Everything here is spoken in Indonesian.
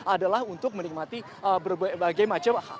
adalah untuk menikmati berbagai macam